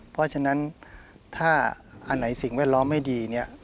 เพราะฉะนั้นถ้าอันไหนสิ่งแวดล้อมไม่ดีเนี่ย